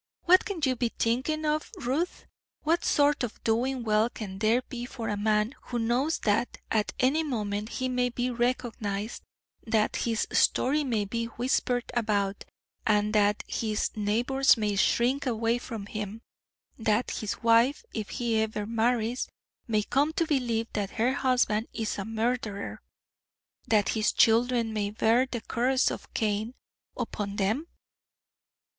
What can you be thinking of, Ruth? What sort of doing well can there be for a man who knows that at any moment he may be recognised, that his story may be whispered about, and that his neighbours may shrink away from him; that his wife, if he ever marries, may come to believe that her husband is a murderer, that his children may bear the curse of Cain upon them?